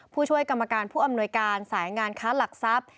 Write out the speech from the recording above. ผู้ช่วยกรรมการผู้อำนวยการสายงานค้าหลักทรัพย์